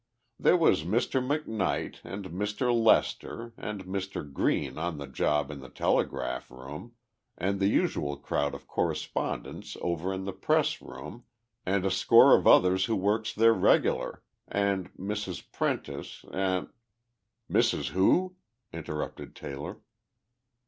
There was Mr. McNight and Mr. Lester and Mr. Greene on the job in the telegraph room, and the usual crowd of correspondents over in the press room, and a score of others who works there regular, an' Mrs. Prentice, an' " "Mrs. who?" interrupted Taylor.